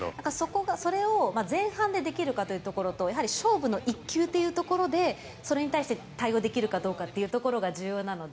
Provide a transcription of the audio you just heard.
それを前半でできるかというところとやはり勝負の１球というところでそれに対して対応できるかどうかというところが重要なので。